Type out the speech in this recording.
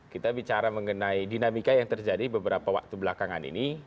kita bicara mengenai dinamika yang terjadi beberapa waktu belakangan ini